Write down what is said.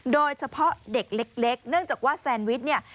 โดยเฉพาะเด็กเล็กเนื่องจากว่าแซนวิชเนี่ย